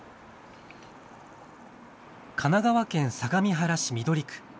神奈川県相模原市緑区。